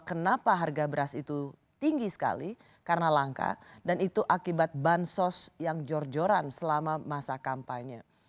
kenapa harga beras itu tinggi sekali karena langka dan itu akibat bansos yang jor joran selama masa kampanye